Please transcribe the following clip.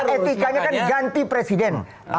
etikanya kan ganti presiden